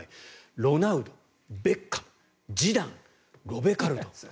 ロナウド、ベッカム、ジダンロベルト・カルロス。